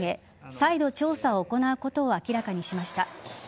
再度調査を行うことを明らかにしました。